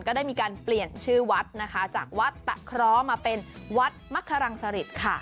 ก็ได้มีการเปลี่ยนชื่อวัดนะคะจากวัดตะเคราะห์มาเป็นวัดมะครังสริตค่ะ